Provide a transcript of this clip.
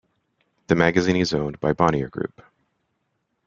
The magazine is owned by Bonnier Group.